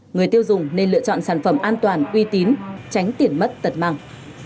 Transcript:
người tiêu dùng nên lựa chọn sản phẩm an toàn uy tín tránh tiền mất tật mang